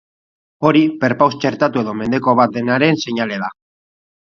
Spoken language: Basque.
Hori, perpaus txertatu edo mendeko bat denaren seinale da.